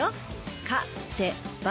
勝・て・ば。